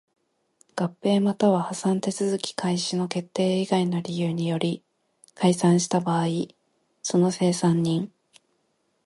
合併又は破産手続開始の決定以外の理由により解散した場合その清算人